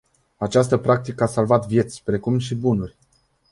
Această practică a salvat vieți, precum și bunuri.